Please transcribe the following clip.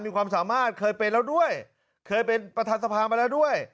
มีความสามารถเคยเป็นแล้วด้วยเคยเป็นประธานสภามาแล้วด้วย